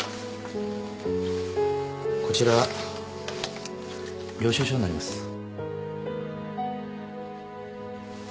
こちら領収書になります。